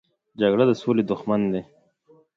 جګړه د سولې دښمن دی